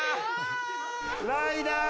ライダー！